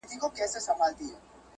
o يو مار، بل مار نه سي خوړلاى!